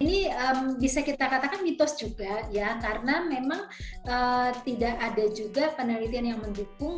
ini bisa kita katakan mitos juga ya karena memang tidak ada juga penelitian yang mendukung